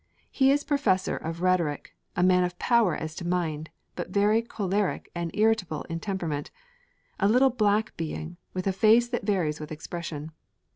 He is Professor of rhetoric: a man of power as to mind, but very choleric and irritable in temperament, a little black being, with a face that varies in expression.